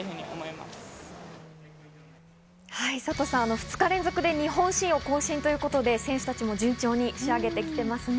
２日連続で日本新を更新ということで選手たちも順調に仕上げてきてますね。